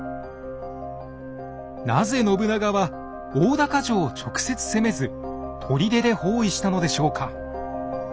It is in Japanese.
なぜ信長は大高城を直接攻めず砦で包囲したのでしょうか？